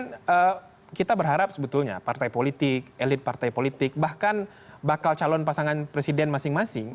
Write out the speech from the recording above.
nah kita berharap sebetulnya partai politik elit partai politik bahkan bakal calon pasangan presiden masing masing